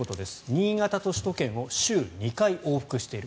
新潟と首都圏を週２回往復している。